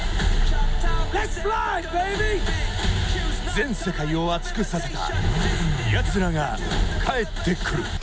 全世界を熱くさせたやつらが帰ってくる！